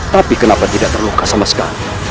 tapi kenapa tidak terluka sama sekali